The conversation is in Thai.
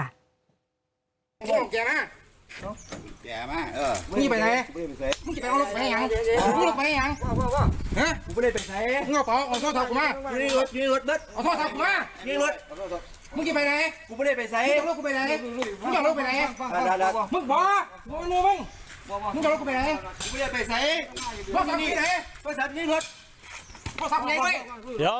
ไปไหนไปไหนมึงกับเราไปไหน